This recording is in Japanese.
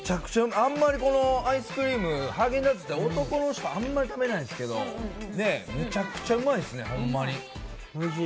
あまりアイスクリーム、ハーゲンダッツは男の人はあんまり食べないですけれど、めちゃくちゃうまいですね、ほんまに。